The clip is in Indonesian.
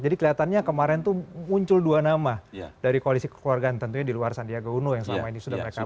jadi kelihatannya kemarin tuh muncul dua nama dari koalisi kekeluargaan tentunya di luar sandiaga uno yang selama ini sudah mereka usung ya